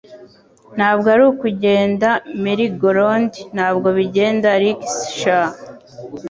Ntabwo ari kugenda merrygoround, ntabwo bigenda rickshaw,